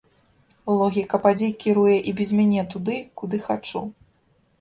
Логіка падзей кіруе і без мяне туды, куды хачу.